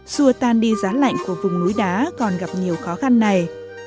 xua tan đi dán lạnh của vùng núi đá còn gặp nhiều khó khăn này